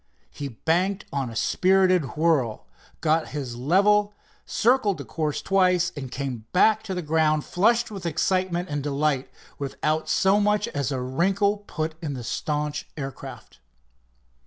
He banked on a spirited whirl, got his level, circled the course twice, and came back to the ground flushed with excitement and delight, without so much as a wrinkle put in the staunch aircraft.